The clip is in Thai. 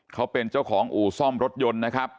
เขาเป็นเจ้าของอู่ซ่อมรถยนต์นะครับ